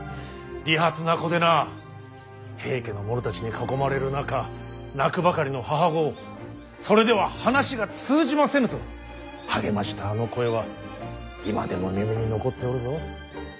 利発な子でな平家の者たちに囲まれる中泣くばかりの母御をそれでは話が通じませぬと励ましたあの声は今でも耳に残っておるぞ。